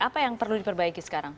apa yang perlu diperbaiki sekarang